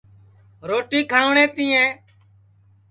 روٹی کھاوٹؔیں تِئیں